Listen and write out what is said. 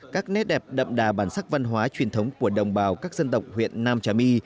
các nét đẹp đậm đà bản sắc văn hóa truyền thống của đồng bào các dân tộc huyện nam trà my